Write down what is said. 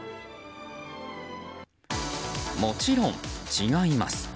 もちろん、違います。